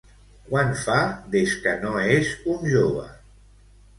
Quant fa des que no és un jove?